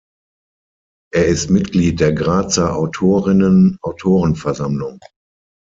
Er ist Mitglied der Grazer Autorinnen Autorenversammlung.